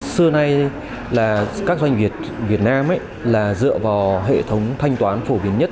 xưa nay các doanh nghiệp việt nam dựa vào hệ thống thanh toán phổ biến nhất